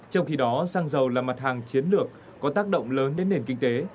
trong khi đó xăng dầu là mặt hàng chiến lược có tác động lớn đến nền kinh tế